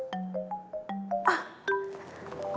ini mereka kenapa misalnya di sini